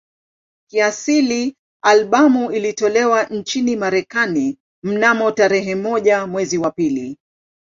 Kiasili albamu ilitolewa nchini Marekani mnamo tarehe moja mwezi wa pili